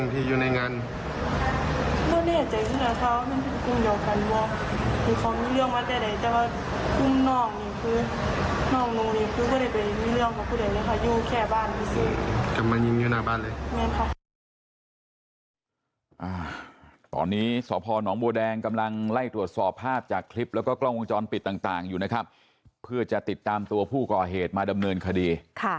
ตอนนี้สพนบัวแดงกำลังไล่ตรวจสอบภาพจากคลิปแล้วก็กล้องวงจรปิดต่างอยู่นะครับเพื่อจะติดตามตัวผู้ก่อเหตุมาดำเนินคดี